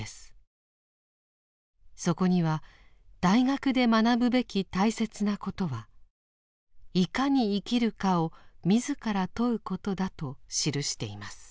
そこには大学で学ぶべき大切なことは「如何に生きるか」を自ら問うことだと記しています。